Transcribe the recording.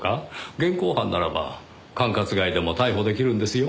現行犯ならば管轄外でも逮捕できるんですよ。